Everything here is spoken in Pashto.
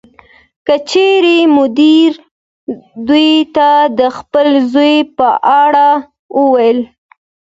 کله چې مدیر دوی ته د خپل زوی په اړه وویل